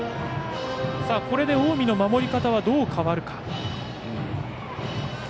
これで近江の守り方はどう変わるか。